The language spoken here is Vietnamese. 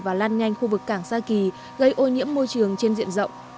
và lan nhanh khu vực cảng sa kỳ gây ô nhiễm môi trường trên diện rộng